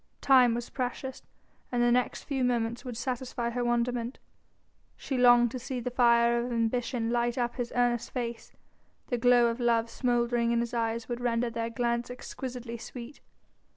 Time was precious, and the next few moments would satisfy her wonderment. She longed to see the fire of ambition light up his earnest face: the glow of love smouldering in his eyes would render their glance exquisitely sweet.